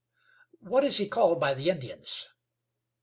"What is he called by the Indians?"